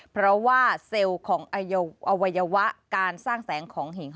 เพราะว่าเซลล์ของอวัยวะการสร้างแสงของหิน